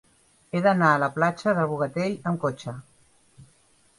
He d'anar a la platja del Bogatell amb cotxe.